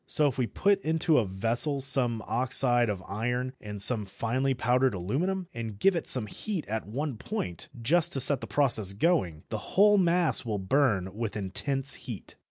So if we put into a vessel some oxide of iron and some finely powdered aluminium, and give it some heat at one point, just to set the process going, the whole mass will burn with intense heat.